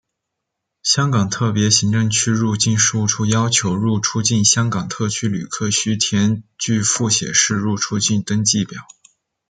香港特别行政区入境事务处要求入出境香港特区旅客须填具复写式入出境登记表。